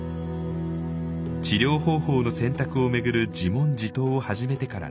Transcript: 治療方法の選択を巡る自問自答を始めてから６か月。